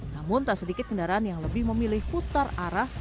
namun tak sedikit kendaraan yang lebih memilih putar arah